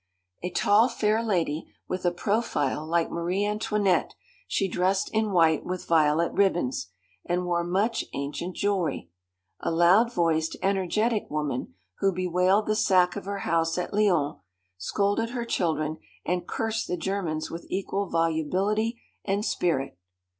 A tall, fair lady, with a profile like Marie Antoinette; she dressed in white with violet ribbons, and wore much ancient jewelry. A loud voiced, energetic woman, who bewailed the sack of her house at Lyons, scolded her children, and cursed the Germans with equal volubility and spirit.